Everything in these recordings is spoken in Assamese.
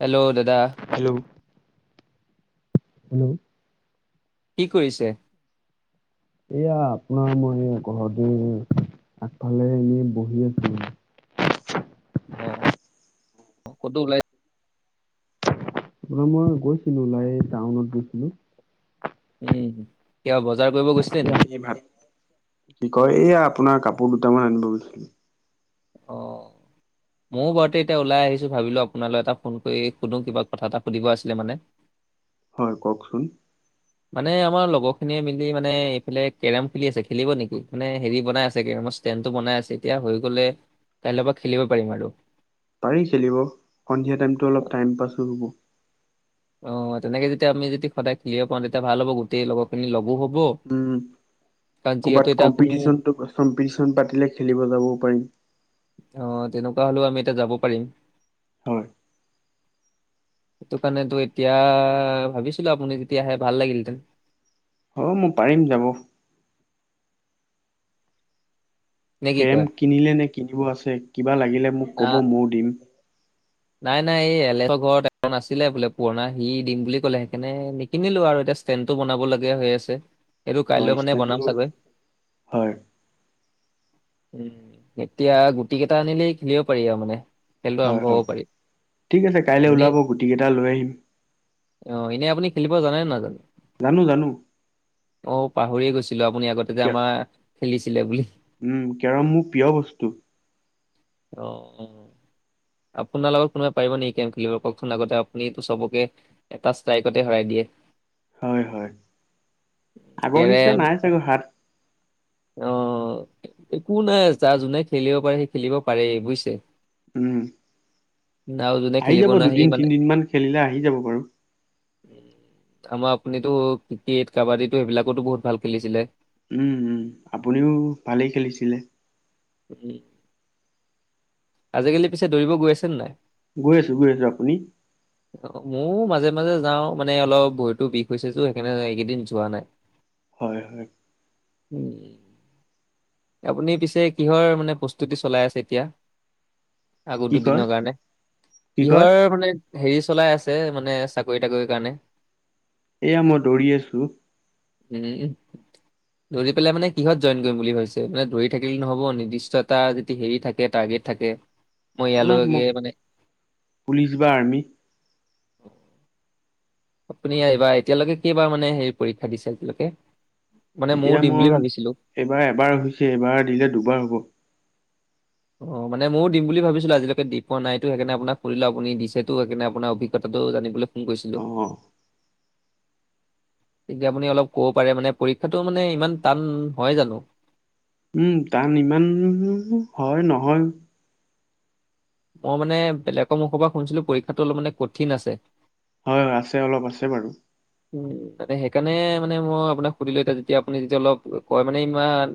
হেল্ল', দাদা হেল্ল' হেল্ল', কি কৰিছে? এয়া আপোনাৰ মই এই ঘৰতেই আগফালে এনেই বহি আছিলোঁ। অ', ফটো ওলাই আপোনাৰ মই গৈছিলো ওলাই, এই টাউনত গৈছিলোঁ। উম, কিবা বজাৰ কৰিব গৈছিলে এই নেকি? আমি ভাত কি কয় এইয়া আপোনাৰ কাপোৰ দুটামান আনিব গৈছিলোঁ। অ'। ময়ো বৰতে এতিয়া ওলাই আহিছোঁ, ভাবিলো আপোনালৈ এটা ফোন কৰি সুধো কিবা কথা এটা সুধিব আছিলে মানে। [unintelligible] হয়, কওকচোন। মানে আমাৰ লগৰ খিনিয়ে মিলি মানে এইফালে কেৰম খুলি আছে, খেলিব নেকি? মানে হেৰি বনাই আছে কেৰমৰ ষ্টেন্ড। টো বনাই আছে এতিয়া হৈ গলে কাইলৈ পৰা খেলিব পাৰিম আৰু। পাৰি খেলিব। সন্ধিয়া টাইমতো অলপ টাইম পাছো হ'ব। অ', তেনেকে যেতিয়া আমি যদি সদায় খেলিব পাওঁ তেতিয়া ভাল হ'ব গোটেই লগৰখিনি লগো হব। উম কাৰণ যিহেতু ক'ৰবাত এতিয়া কোনো কম্পিটিশন চম্পিটিচন পাতিলে খেলিব যাবও পাৰিম অ তেনেকুৱা হ'লেও আমি এতিয়া যাব পাৰিম হয় সেইটো কাৰণেটো এই এতিয়া ভাবিছিলো আপুনি যেতিয়া আহে ভাল লাগিলহেঁতেন অ মই পাৰিম যাব নে কি কেৰেম কয় কিনিলে নে কিনিব আছে কিবা লাগিলে মোক না ক'ব ময়ো দিম নাই নাই এই এলেহৰ ঘৰত এখন আছিলে বোলে পুৰণা সি দিম বুলি ক'লে সেইকাৰণে নিকিনিলো আৰু এতিয়া ষ্টেণ্টো বনাব লগীয়া হৈ আছে সেইটো কাইলৈ হয় মানে বনাম ষ্টেণ্ডটো চাগৈ হয় উম এতিয়া গুটি কেইটা আনিলেই খেলিব পাৰি আৰু মানে খেলতো হয় আৰম্ভ হব হয় পাৰি ঠিক আছে কাইলে আপুনি ওলাব গুটি কেইটা লৈ আহিম এ আপুনি খেলিব জানে নে নাজানে জানো জানো অ পাহৰিয়ে গৈছিলো আপুনি আগতে যে কে আমাৰ খেলিছিলে বুলি উম কেৰম মোৰ প্ৰিয় বস্তু অ আপ আপোনাৰ লগত কোনোবাই পাৰিব নেকি কেৰেম খেলিব কওকচোন আগতে আপুনিত চবকে এটা ষ্ট্ৰাইকতে হেৰাই দিয়ে হয় হয় আগৰ নিচিনা কেৰেম নাই চাগৈ হাত অ', একো নাই যাৰ যোনে খেলিব পাৰে সেই খেলিব পাৰেই বুইছে উম যোনে আহি খেলিব যাব নোৱাৰে সি দুদিন মানে তিনিদিন মান খেলিলে আহি যাব বাৰু আমাৰ আপুনিতো ক্ৰিকেট কাবাডীটো সেইবিলাকতো বহুত ভাল খেলিছিলে উম, উম আপুনিও ভালেই খেলিছিলে। উ আজিকালি পিছে দৌৰিব গৈ আছেনে নাই? গৈ আছো গৈ আছো আপুনি অ, ময়ো মাজে, মাজে যাওঁ মানে অলপ ভৰিতো বিষ হৈছেতো সেইকাৰণে এইকেইদিন যোৱা নাই। হয়, হয়। উম। আপুনি পিছে কিহৰ মানে প্ৰস্তুতি চলাই আছে এতিয়া। আগৌতো কি কয় দুদিনৰ কাৰণে কি কয় কিহৰ মানে হেৰি চলাই আছে ছে মানে চাকৰি তাকৰিৰ কাৰণে। এয়া মই দৌৰি আছোঁ। উ [inaudible] দৌৰি পেলাই মানে কিহত জইন কৰিম বুলি ভাবিছে? মানে দৌৰি থাকিলে নহ'ব নিৰ্দিষ্ট এটা যদি হেৰি থাকে টাৰ্গেট থাকে, মই আপোনাৰ ইয়ালৈকে মোক মানে [inaudible] পুলিচ বা আৰ্মি আপুনি এইবাৰ এতিয়ালৈকে কেইবাৰ মানে হেৰি পৰীক্ষা দিছে এতিয়ালৈকে? এতিয়া মই এইবাৰ এবাৰ হৈছে, এইবাৰ দিলে দুবাৰ হ'ব। অ', মানে মইয়ো দিম বুলি ভাবিছিলোঁ, আজিলৈকে দি পোৱা নাইটো সেইকাৰণে আপোনাক সুধিলোঁ আপুনি দিছেতো সেইকাৰণে আপোনাৰ অভিজ্ঞতা তো জানিবলৈ ফোন কৰিছিলোঁ। অ তেতিয়া আপুনি অলপ ক'ব পাৰে মানে পৰীক্ষাটো মানে ইমান টান হয় জানো। উম, টান ইমান হয় নহয়। মই মানে বেলেগৰ মুখৰ পৰা শুনিছিলোঁ, পৰীক্ষাটো অলপ মানে কঠিন আছে। হয়, হয় আছে অলপ আছে বাৰু। উম, মানে সেইকাৰণে মানে মই আপোনাক সুধিলোঁ এতিয়া যেতিয়া আপুনি যেতিয়া অলপ কয় মানে ইমান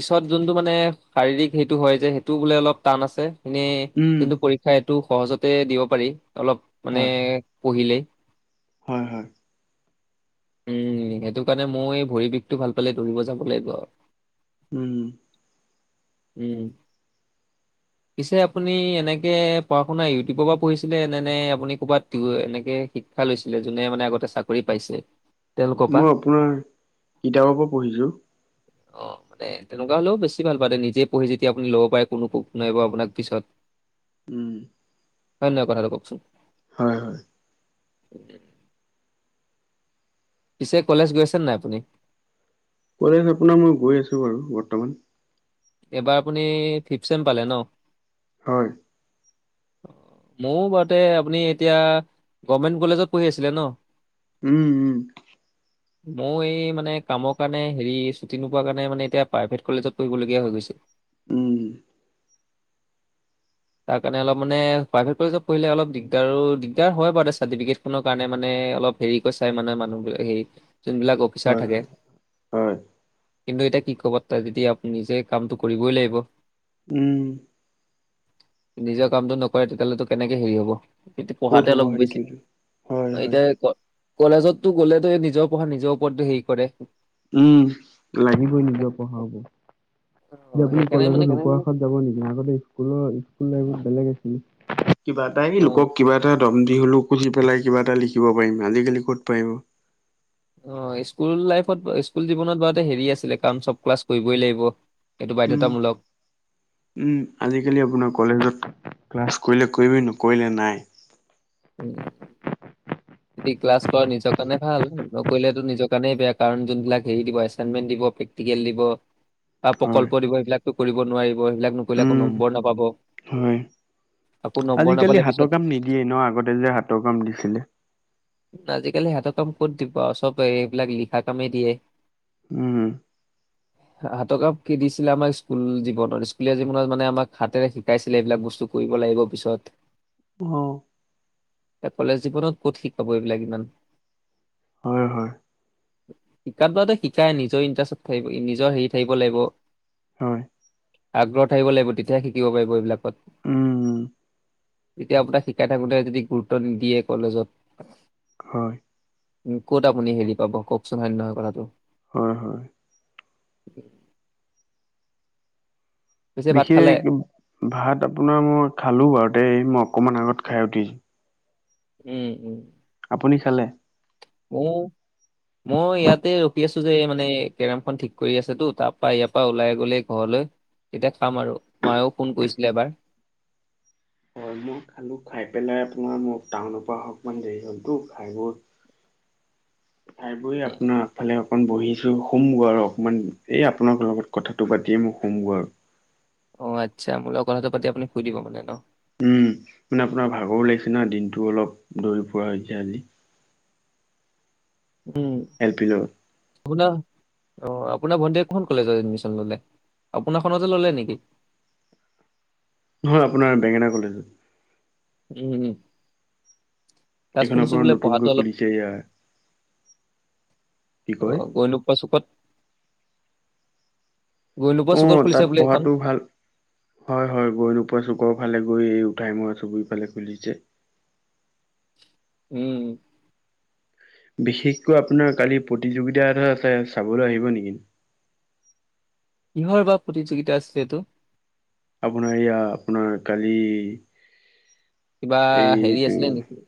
পিছত যোনটো মানে শাৰীৰিক সেইটো হয় যে, সেইটোও বোলে অলপ টান আছে। এনেই উম, যোনটো পৰীক্ষা এইটো সহজতে দিব পাৰি। অলপ মানে হয়, পঢ়িলে হয় হয়। উম সেইটো কাৰণে মই ভৰি বিষটো ভাল পালে দৌৰিব যাব লাগিব আৰু। উম। উম। পিছে আপুনি এনেকে পঢ়া শুনা ইউটিউবৰ পৰা পঢ়িছিলে? নে নে আপুনি ক'বাত ইও এনেকে শিক্ষা লৈছিলে? যোনে মানে আগতে চাকৰি পাইছে তেওঁলোকৰ পৰা মই আপোনাৰ কিতাপৰ পৰা পঢ়িছো। অ'। মানে তেনেকুৱা হ'লেও বেছি ভাল। মানে নিজে পঢ়ি যেতিয়া আপুনি ল'ব পাৰে, কোনো কো নাইবা আপোনাক পিছত উম। হয় নই কথাটো কওকচোন? হয় হয়। উ [unintelligible] পিছে কলেজ গৈছে নাই আপুনি? কলেজ আপোনাৰ মই গৈ আছো বাৰু বৰ্তমান। এইবাৰ আপুনি ফিফ চেম পালে ন? হয়। মই বাওতে আপুনি এতিয়া গভমেণ্ট কলেজত পঢ়ি আছিলে ন? উম উম। মই এই মানে কামৰ কাৰণে হেৰি ছুটি নোপোৱা কাৰণে মানে এতিয়া প্ৰাইভেট কলেজত পঢ়িবলগীয়া হৈ গৈছে। উম। তাৰ কাৰণে অলপ মানে প্ৰাইভেট কলেজত পঢ়িলে অলপ দিগদাৰো, দিগদাৰ হয় বাৰু চাৰ্টিফিকেটখনৰ কাৰণে মানে অলপ হেৰি কৈ চাই মানে মানুহবিলা, হেৰি যোনবিলাক অফিচাৰ হয়, থাকে। হয়, হয়, কিন্তু এতিয়া কি ক'ব তা যদি আপুনি নিজে কামটো কৰিবই লাগিব। উম। নিজৰ কামটো নকৰে, তেতিয়াহ'লেতো কেনেকে হেৰি হব? কিন্তু ক'ত পঢ়াতে হ'ব অলপ বেছি, সেইটোৱেটো। হয়, হয়, এতিয়া ক কলেজটো গ'লে নিজৰ পঢ়া নিজৰ ওপৰত হেৰি কৰে। উম লাগিবই নিজৰ পঢ়াবোৰ। অ এতিয়া আপুনি সেইকাৰণে কলেজত মানে লোকৰ আশাত যাব নি, আগতে স্কুলৰ স্কুল লাইফত বেলেগ আছিল, কিবা এটা অ এই লোকক কিবা এটা দম দি হ'লেও সুধি পেলাই কিবা এটা লিখিব পাৰিম, আজিকালি ক'ত পাৰিব। অ স্কুল লাইফত স্কুল জীৱনত বাৰু হেৰিয়ে আছিলে, কাৰণ চব ক্লাছ কৰিবই লাগিব। এইটো উম বাধ্যতামূলক উম আজিকালি আপোনাৰ কলেজত ক্লাছ কৰিলে কৰিবি নকৰিলে নাই। উম। যদি ক্লাছ কৰ নিজৰ কাৰণে ভাল, নকৰিলেটো নিজৰ কাৰণেই বেয়া, কাৰণ যোনবিলাক হেৰি দিব এচাইনমেণ্ট দিব প্ৰেক্টিকেল দিব। হয়। প্ৰকল্প দিব সেইবিলাকতো কৰিব নোৱাৰিব সেইবিলাক নকৰিলে একো উম, নম্বৰ নাপাব। হয়। আকৌ নম্বৰ আজিকালি নাপালে পিছত হাতৰ কাম নিদিয়ে ন আগতে যে হাতৰ কাম দিছিলে। আজিকালি হাতৰ কাম ক'ত দিবা চব এইবিলাক লিখা কামেই দিয়ে। উম [inaudible] হাতৰ কাম কি দিছিলে আমাক স্কুল জীৱনত স্কুলীয়া জীৱনত মানে আমাক হাতেৰে শিকাইছিলে এইবিলাক বস্তু কৰিব। লাগিব পিছত। [unintelligible] এ কলেজ জীৱনত ক'ত শিকাব এইবিলাক ইমান। হয়, হয়। শিকাত বাৰুতে শিকাই নিজৰ ইণ্টাৰেষ্টত থাকিব নিজৰ হেৰি থাকিব লাগিব। হয়, আগ্ৰহ থাকিব লাগিব তেতিয়াহে শিকিব পাৰিব উম, এইবিলাকত। এতিয়া আপোনাক শিকাই থাকোতে যদি গুৰুত্ব নিদিয়ে কলেজত হয়। উম, ক'ত আপুনি হেৰি পাব কওকচোন হয় নে নহয় কথাটো? [inaudible] হয়, হয়। পিছে ভাত খালে বিশেষ ভাত আপোনাৰ মই খালো বাৰুতে মই অকমান আগত খাই উঠিছ উম-উম আপুনি খালে? উ মই ইয়াতে ৰখি আছো যে মানে কেৰমখন ঠিক কৰি আছেতো তাৰ পৰা ইয়াৰ পৰা ওলাই গ'লেই ঘৰলৈ তেতিয়া খাম আৰু মায়েও ফোন কৰিছিলে এবাৰ। হম, মই খালোঁ খাই পেলাই আপোনাৰ মোৰ টাউনৰ পৰা অহা অকনমান দেৰি হ'লতো ভাইবোৰ [inaudible] খাই বই উম আপোনাৰ আগফালে আহক অকণ বহিছো শুম গৈ আৰু অকমান এই আপোনাৰ লগত কথাটো পাতিম শুম গৈ আৰু। অ, আচ্ছা মোৰ লগত কথাটো পাতি আপুনি শুই দিব মানে ন? উম, মানে আপোনাৰ ভাগৰো লাগিছে না দিনটো অলপ দৌৰি ফুৰা হৈছে আজি। এলপি ল শুনা। অ' আপোনাৰ ভণ্টীয়ে কোন কলেজত এডমিশন ললে। আপোনাৰখনতে ল'লে নেকি? [inaudible] নহয় আপোনাৰ বেঙেনা কলেজত। উম। তাত এইখন শুনিছো আপোনাৰ বোলে পঢ়াটো নতুনকৈ অলপ খুলিছে এয়া কি কয় অহ' গৈ নোপোৱা চুকত গৈ নোপোৱা চুকত অ' খুলিছে তাত বোলে সেইখন পঢ়াটো ভাল। হয় হয় গৈ নোপোৱা চুক। কৰো ফালে গৈ এই উঠাই মুৰা চবুৰীফালে খুলিছে। উম। বিশেষকৈ আপোনাৰ কালি প্ৰতিযোগিতা এটা আছে। চাবলৈ আহিব নেকি? কিহ'ৰ বা প্ৰতিযোগিতা আছিলে এইটো? আপোনাৰ এইয়া আপোনাৰ কালি কিবা হেৰি এইটো আছিলে নেকি?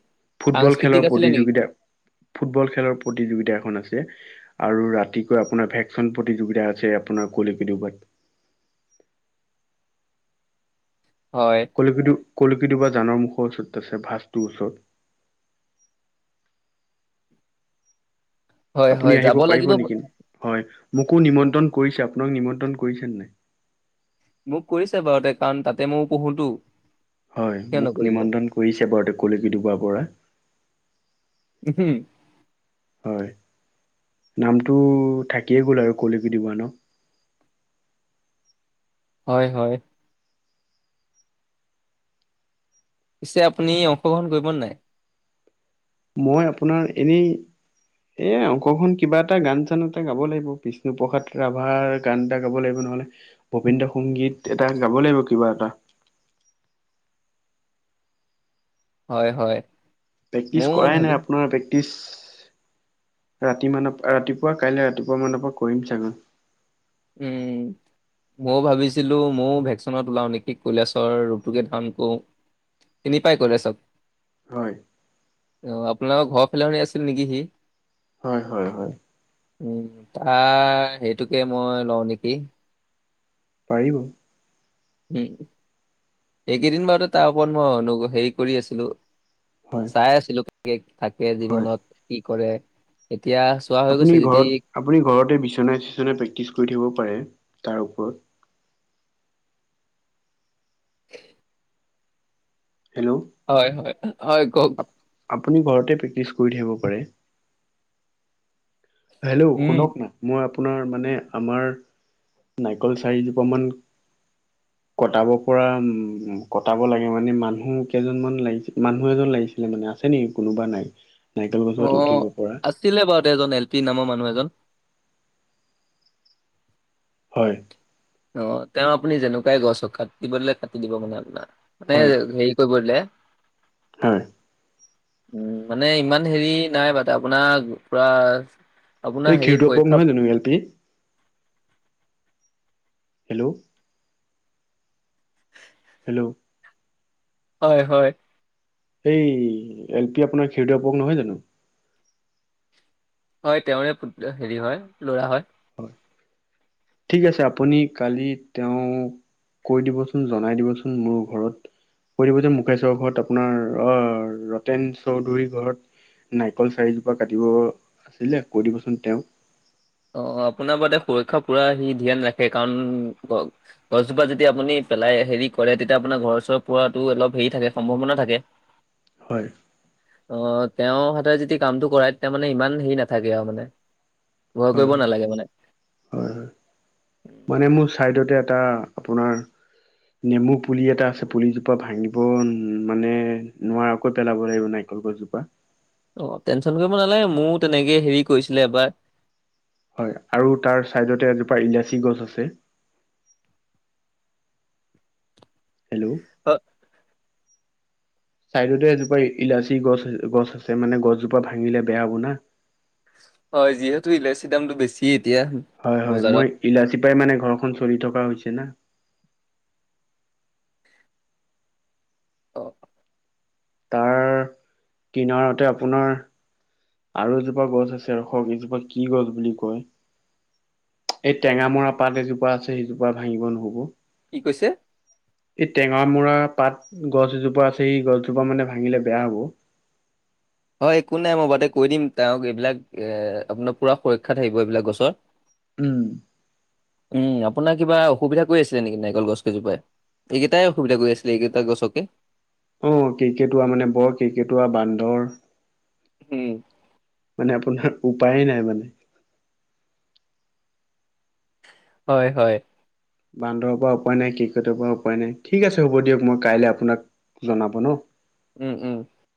ফুটবল খেলৰ সাংস্কৃতিক আছিলে নেকি? প্ৰতিযোগিতা, ফুটবল খেলৰ প্ৰতিযোগিতা এখন আছে। আৰু ৰাতিকৈ আপোনাৰ ভেকচন প্ৰতিযোগিতা আছে, আপোনাৰ [unintelligible] হয় কলিকেটো-কলি সেইটো বাও জানৰ মুখৰ ওচৰত আছে ভাঁজটোৰ ওচৰত। হয় আপুনি হয় আহিব যাব পাৰিব লাগিব নেকি হয় মোক কো নিমন্ত্ৰণ কৰিছে আপোনাক নিমন্ত্ৰণ কৰিছে নে নাই? মোক কৰিছে বাৰতে কাৰণ তাতে ময়ও পঢ়োতো। হয় কিয় মোক নকৰিব নিমন্ত্ৰণ কৰিছে বাৰু তে কলিকি দিব পৰা। উম, হম। হয় নামটো থাকিয়ে গ'ল আৰু ক'লৈক দিব ন [inaudible] হয় - হয়। পিছে আপুনি অংশগ্ৰহণ কৰিব নাই? মই আপোনাৰ এনেই এ অংশখন কিবা এটা গান চান এটা গাব লাগিব বিষ্ণুপসাদ ৰাভাৰ গান এটা গাব লাগিব। নহলে ভবন্দ্ৰ সংগীত এটা গাব লাগিব কিবা এটা। [inaudible] হয় - হয়। প্ৰেক্টিচ ময়ো কৰাই ভাবি নাই আপোনাৰ প্ৰেক্টিচ ৰাতি মানৰ ৰাতিপুৱা কাইলৈ ৰাতিপুৱা মানৰ পৰা কৰিম চাগে উম। মই ভাবিছিলো ময়ও ভেকচনত ওলাও নেকি কৈলাশৰ ৰুতুকে ধানকো চিনি পাই কলে চব হয়। অ, আপোনালোকৰ ঘৰৰ ফালে শনি আছিল নেকি সি? হয় - হয় - হয়। উম, তাৰ সেইটোকে মই লও নেকি? পাৰিব। উম, এইকেইদিন বাৰুতে তাৰ ওপৰত মই অনু হেৰি কৰি আছিলো। হয় চাই আছিলো থাকে হয় জীৱনত কি কৰে এতিয়া চোৱা হৈ আপুনি গৈছে যদি ঘৰত - আপুনি ঘৰতে বিচনা চিচনা প্ৰেক্টিছ কৰি থাখিব পাৰে। তাৰ ওপৰত [inaudible] হেল্ল', হয় - হয় - হয় কওক। আপুনি ঘৰতে প্ৰেক্টিছ কৰি থাকিব পাৰে। হেল্ল', উম শুনক মই আপোনাৰ মানে আমাৰ নাৰিকল চাৰিজোপা মান [inaudible] কটাব পৰা উম, কটাব লাগে মানে মানুহ কেইজনমান লাগিছিল মানুহ এজন লাগিছিলে মানে আছে নিকি কোনোবা নাই? নাৰিকল অ, গছত উঠিব পৰা আছিলে বাৰু তে এজন তি নামৰ মানুহ এজন। হয়। অ, তেও আপুনি যেনেকুৱাই গছ কাটিব দিলে কাটি দিব মানে আপোনাৰ মানে হয় হেৰি কৰিব দিলে হয়। উম, মানে ইমান হেৰি নাই বাে আপোনাৰ পুৰা এই আপোনাৰ হেৰি ক্ষীৰোদৰ পক পৰীক্ষা নহয় জানো এল পি হেল্ল', হেল্ল', হয় - হয়। এই এল পি আপোনাৰ খেউ পক নহয় জানো। হয় তেওৰে হেৰি হয় লৰা হয়। ঠিক আছে আপুনি কালি তেও কৈ দিবচোন, জনাই দিবচোন, মোৰ ঘৰত। কৈ দিব যে মুকেশ্বৰৰ ঘৰত আপোনাৰ, অ ৰতেন চৌধুৰীৰ ঘৰত নাৰিকল চাৰিজোপা কাটিব আছিলে, কৈ দিবচোন তেওঁক। অ আপোনাৰ বাদে সুৰক্ষা পুৰা সি ধ্যান ৰাখে, কাৰণ গ গছজোপা যদি আপুনি পেলাই হেৰি কৰে তেতিয়া আপোনাৰ ঘৰৰ ওচৰ পোৱাতো অলপ হেৰি থাকে, সম্ভাৱনা থাকে। হয়। অহ তেওঁৰ হাততে যেতিয়া কামটো কৰাই তেতিয়া মানে ইমান হেৰি নাথাকে আৰু মানে ভয় হয় হয় কৰিব নালাগে মানে হয় হয় মানে মোৰ চাইডতে এটা আপোনাৰ নেমু পুলি এটা আছে পুলিজোপা ভাঙিব মানে নোৱাৰাকৈ পেলাব লাগিব না অকল গছজোপা অ টেনশন কৰিব নালাগে মোৰ তেনেকে হেৰি কৰিছিলে এবাৰ হয় আৰু তাৰ চাইডতে এজোপা ইলাচি গছ আছে হেল্ল' হয়, চাইডতে এজোপা ইলাচি গছ গছ আছে মানে গছজোপা ভাঙিলে বেয়া হ'ব না হয় যিহেতু ইলাচি দামটো বেছি এতিয়া হয় হয় বজাৰত মই ইলাচি পাই মানে ঘৰখন চলি থকা হৈছে না অ তাৰ কিনাৰতে আপোনাৰ আৰু এজোপা গছ আছে ৰখক এইজোপা কি গছ বুলি কয় এই টেঙা মৰা পাত এজোপা আছে সেইজোপা ভাঙিব নহ'ব কি কৈছে এই টেঙা মৰা পাত গছজোপা আছে এ গছজোপা মানে ভাঙিলে বেয়া হ'ব [inaudible] হয় একো নাই মই বাটে কৈ দিম তেওঁক এইবিলাক এ আপোনাৰ পুৰা সুৰক্ষাত থাকিব এইবিলাক গছৰ উম উম আপোনাৰ কিবা অসুবিধা কৰি আছিলে নেকি নাৰিকল গছ কেইজোপাই এইকেইটাই অসুবিধা গৈ আছিলে এইকেইটা গছকে অ কেৰ্কেটুৱা মানে বৰ কেৰ্কেটুৱা বান্দৰ উম। মানে আপোনাৰ উপায়ে নাই মানে হয়, হয়। বান্দৰৰ পৰা উপায় নাই, কেকোটৰ পৰা উপায় নাই, ঠিক আছে হ'ব দিয়ক মই কাইলৈ আপোনাক জনাব ন। উম, উম।